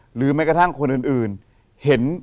หรือแม้กระทั่งคนอื่น